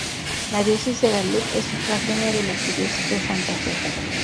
La Diócesis de Gallup es sufragánea de la Arquidiócesis de Santa Fe.